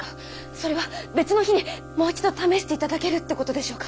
それは別の日にもう一度試していただけるってことでしょうか？